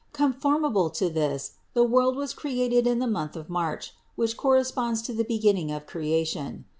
Conformable to this the world was created in the month of March, which corresponds to the beginning of creation.